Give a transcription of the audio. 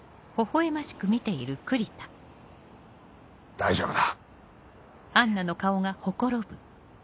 大丈夫だ。